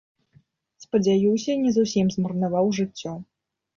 Спадзяюся, не зусім змарнаваў жыццё.